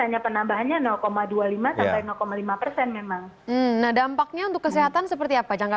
hanya penambahannya dua puluh lima sampai lima persen memang nah dampaknya untuk kesehatan seperti apa jangka